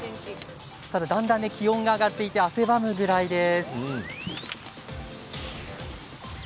だんだん気温が上がって汗ばむぐらいです。